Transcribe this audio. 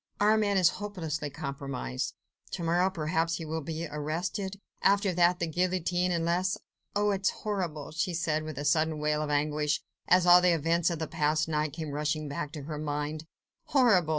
Armand is hopelessly compromised ... to morrow, perhaps he will be arrested ... after that the guillotine ... unless ... unless ... oh! it is horrible!" ... she said, with a sudden wail of anguish, as all the events of the past night came rushing back to her mind, "horrible!